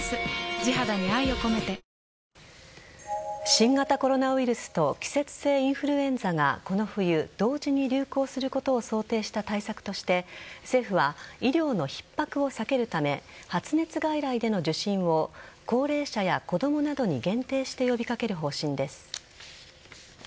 新型コロナウイルスと季節性インフルエンザがこの冬、同時に流行することを想定した対策として政府は医療のひっ迫を避けるため発熱外来での受診を高齢者や子供などに限定して呼び掛ける方針です。